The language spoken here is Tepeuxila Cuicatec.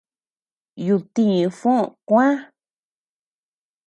Yudtï Fo kuä.